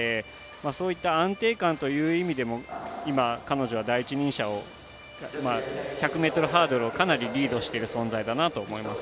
そういった安定感という意味でも今、彼女は第一人者を１００ｍハードルをかなりリードしている存在だと思います。